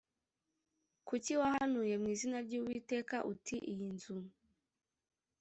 kuki wahanuye mu izina ry uwiteka uti iyi nzu